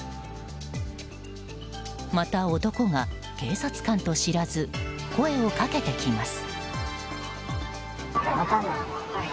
また、男が警察官と知らず声をかけてきます。